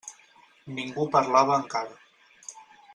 Ningú parlava encara.